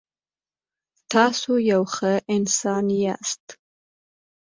تاسو یو ښه انسان یاست.